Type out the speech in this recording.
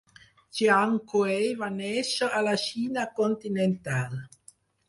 Chiang Kuei va néixer a la Xina continental.